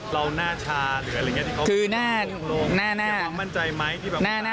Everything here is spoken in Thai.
เราหน้าชาหรืออะไรอย่างนี้ที่เขาบอกโลกอยากมั่นใจไหม